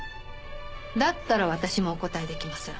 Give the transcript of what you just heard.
だったら私もお答えできません。